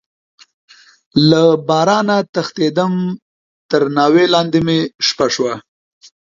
له بارانه تښتيدم، تر ناوې لاندې مې شپه شوه.